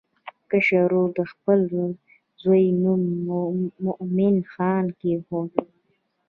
کشر ورور د خپل زوی نوم مومن خان کېښود.